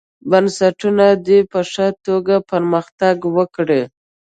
بنسټونه دې په ښه توګه پرمختګ وکړي.